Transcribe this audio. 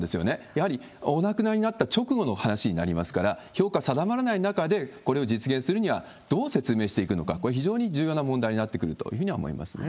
やはりお亡くなりになった直後の話になりますから、評価定まらない中で、これを実現するには、どう説明していくのか、これは非常に重要な問題になってくるとは思いますね。